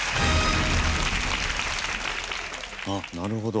あっなるほど。